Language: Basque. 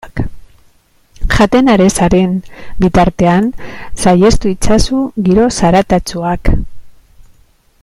Jaten ari zaren bitartean saihestu itzazu giro zaratatsuak.